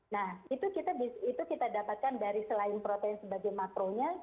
nah itu kita dapatkan dari selain protein sebagai makronya